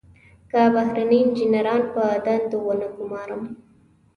که بهرني انجنیران په دندو ونه ګمارم.